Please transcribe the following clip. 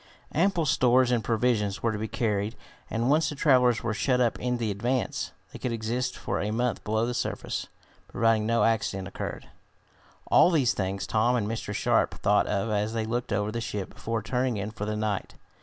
Ample stores and provisions were to be carried and, once the travelers were shut up in the Advance, they could exist for a month below the surface, providing no accident occurred. All these things Tom and Mr. Sharp thought of as they looked over the ship before turning in for the night.